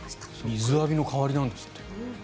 水浴びの代わりなんですって。